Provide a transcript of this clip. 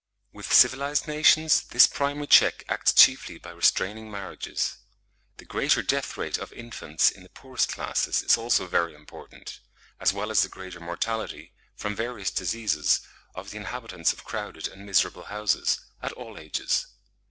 With civilised nations this primary check acts chiefly by restraining marriages. The greater death rate of infants in the poorest classes is also very important; as well as the greater mortality, from various diseases, of the inhabitants of crowded and miserable houses, at all ages.